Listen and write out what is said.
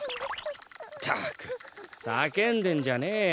ったくさけんでんじゃねえよ。